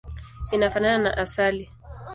Inafanana na asali.